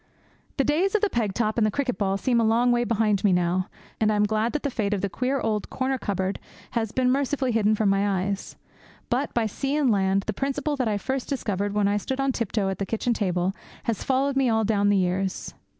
The days of the peg top and the cricket ball seem a long way behind me now, and I am glad that the fate of the queer old corner cupboard has been mercifully hidden from my eyes. But, by sea and land, the principle that I first discovered when I stood on tiptoe on the kitchen table has followed me all down the years.